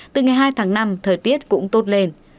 từ ngày hai tháng năm thời tiết cũng tốt lên